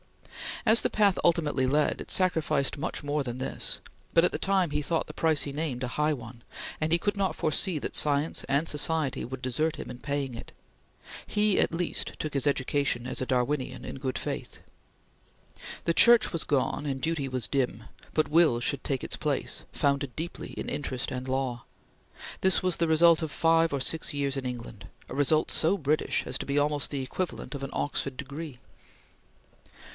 As the path ultimately led, it sacrificed much more than this; but at the time, he thought the price he named a high one, and he could not foresee that science and society would desert him in paying it. He, at least, took his education as a Darwinian in good faith. The Church was gone, and Duty was dim, but Will should take its place, founded deeply in interest and law. This was the result of five or six years in England; a result so British as to be almost the equivalent of an Oxford degree.